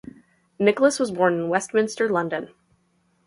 Nicholas was born in Westminster, London.